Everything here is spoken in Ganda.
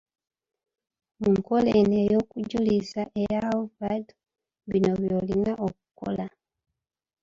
Mu nkola eno ey’okujuliza, eya Halvald, bino by’olina okukola.